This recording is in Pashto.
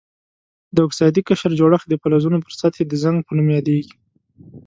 د اکسایدي قشر جوړښت د فلزونو پر سطحې د زنګ په نوم یادیږي.